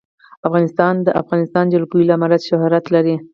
افغانستان د د افغانستان جلکو له امله شهرت لري.